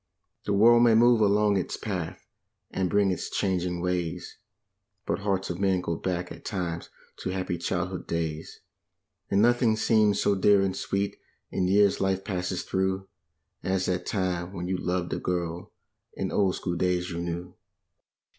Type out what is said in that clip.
The world may move along its path and bring its changing ways. But hearts of men go back at times to happy childhood days, And nothing seems so dear and sweet in years life passes through As that time when you loved a girl in old school days you knew.